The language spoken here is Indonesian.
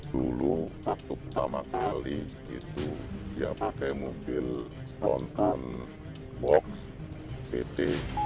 dulu untuk pertama kali itu dia pakai mobil spontan box pt